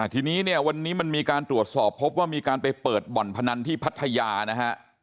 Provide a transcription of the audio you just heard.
ทีนี้เนี่ยวันนี้มันมีการตรวจสอบพบว่ามีการไปเปิดบ่อนพนันที่พัทยานะฮะ